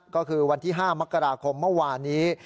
ก็คือวันที่๕มกราคมเมื่อวานนี้